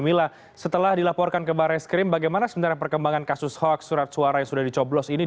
mila setelah dilaporkan ke barreskrim bagaimana sebenarnya perkembangan kasus hoax surat suara yang sudah dicoblos ini